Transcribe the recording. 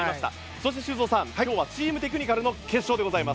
そして修造さん今日はチーム・テクニカルの決勝でございます。